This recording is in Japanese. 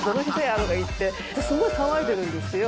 すごい騒いでるんですよ。